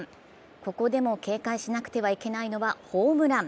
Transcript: ここでも警戒しなくてはいけないのはホームラン。